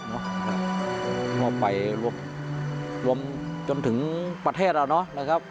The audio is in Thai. พ่อไปรวมจนถึงประเทศแล้วนะครับ